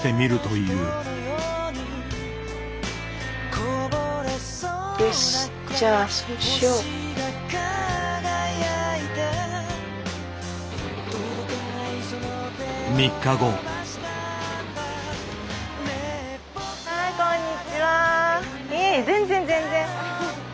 いえいえ全然全然。